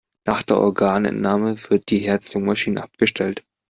Nach der Organentnahme wird die Herz-Lungen-Maschine abgestellt.